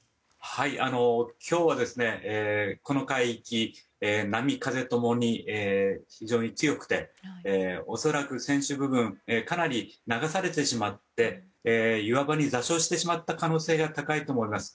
今日はこの海域波風共に非常に強くて恐らく、かなり船首部分が流されてしまって岩場に座礁してしまった可能性が高いと思われます。